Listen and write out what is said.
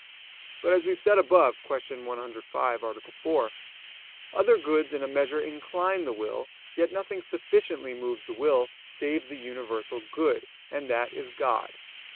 But as we have said above (Q. 105, A. 4), other goods in a measure incline the will, yet nothing sufficiently moves the will save the universal good, and that is God.